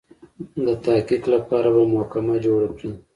د تحقیق لپاره به محکمه جوړه کړي.